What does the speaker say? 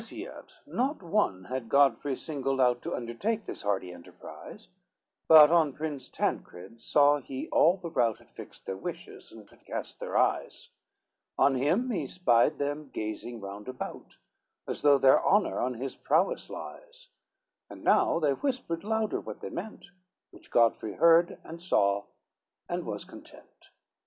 XXIV As yet not one had Godfrey singled out To undertake this hardy enterprise, But on Prince Tancred saw he all the rout Had fixed their wishes, and had cast their eyes, On him he spied them gazing round about, As though their honor on his prowess lies, And now they whispered louder what they meant, Which Godfrey heard and saw, and was content.